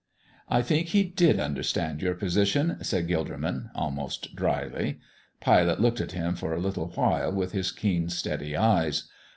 "I think he did understand your position," said Gilderman, almost dryly. Pilate looked at him for a little while with his keen, steady eyes.